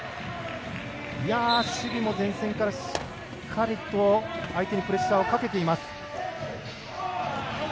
守備も前線からしっかりと相手にプレッシャーかけています。